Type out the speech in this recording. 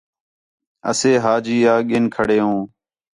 اسے حاجی آ گِھن کھڑے ہوں